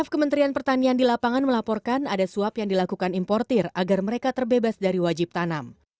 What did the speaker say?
kementerian pertanian di lapangan melaporkan ada suap yang dilakukan importer agar mereka terbebas dari wajib tanam